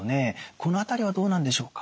この辺りはどうなんでしょうか？